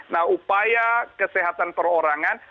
nah upaya kesehatan perorangan